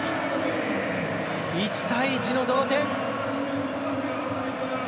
１対１の同点。